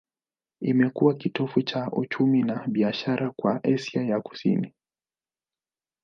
Imekuwa kitovu cha uchumi na biashara kwa Asia ya Kusini.